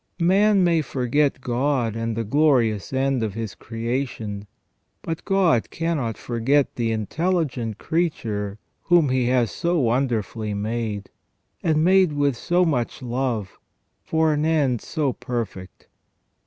Man may forget God and the glorious end of his creation, but God cannot forget the intelligent creature whom He has so wonderfully made, and made with so much love, and for an end so perfect.